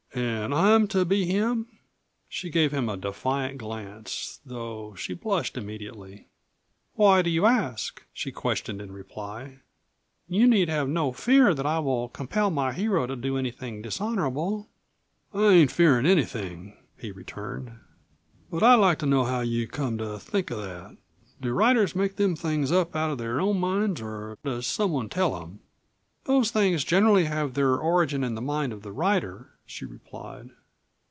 "An' I'm to be him?" She gave him a defiant glance, though she blushed immediately. "Why do you ask?" she questioned in reply. "You need have no fear that I will compel my hero to do anything dishonorable." "I ain't fearin' anything," he returned. "But I'd like to know how you come to think of that. Do writers make them things up out of their own minds, or does someone tell them?" "Those things generally have their origin in the mind of the writer," she replied.